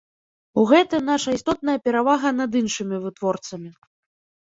У гэтым наша істотная перавага над іншымі вытворцамі.